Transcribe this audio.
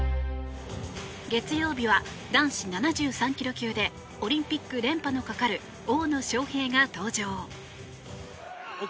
月曜日は男子７３ｋｇ級でオリンピック連覇のかかる大野将平が登場。